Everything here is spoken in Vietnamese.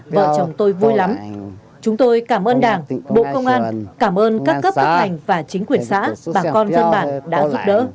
vợ chồng tôi vui lắm chúng tôi cảm ơn đảng bộ công an cảm ơn các cấp các ngành và chính quyền xã bà con dân bản đã giúp đỡ